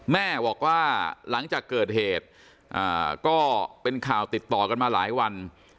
แม่บอกว่าหลังจากเกิดเหตุก็เป็นข่าวติดต่อกันมาหลายวัน